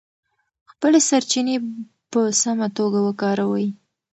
خپلې سرچینې په سمه توګه وکاروئ.